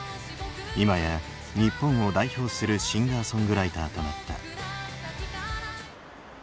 今や日本を代表するシンガーソングライターとなった。